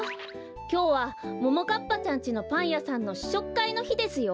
きょうはももかっぱちゃんちのパンやさんのししょくかいのひですよ。